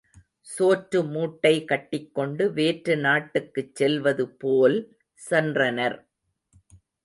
சோற்று மூட்டை கட்டிக்கொண்டு வேற்று நாட்டுக்குச் செல்வது போல் சென்றனர்.